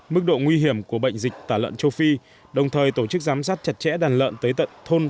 mức độ nguy hiểm của bệnh dịch tả lợn châu phi đồng thời tổ chức giám sát chặt chẽ đàn lợn tới tận thôn